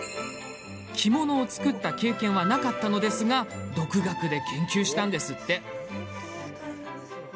着物を作った経験はないのですが独学で研究したんですって。